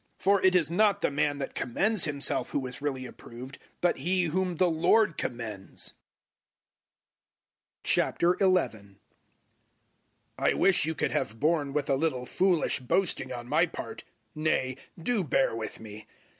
010:018 For it is not the man that commends himself who is really approved, but he whom the Lord commends. 011:001 I wish you could have borne with a little foolish boasting on my part. Nay, do bear with me.